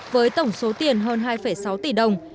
với tổng số tiền hơn hai sáu tỷ đồng